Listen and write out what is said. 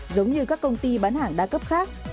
giống như các công ty bán hàng đa cấp khác